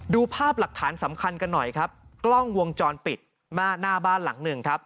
ดูภาพหลักฐานสำคัญกันหน่อยครับกล้องวงจรปิดหน้าบ้านหลังหนึ่งครับ